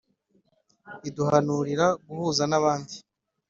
iduhanurira guhuza n'abandi